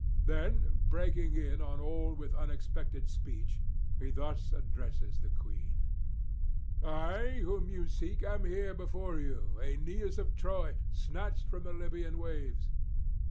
[594 625]Then breaking in on all with unexpected speech he thus addresses the queen: 'I whom you seek am here before you, Aeneas of Troy, snatched from the Libyan waves.